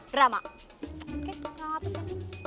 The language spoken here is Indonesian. drama oke gak mau hapus ya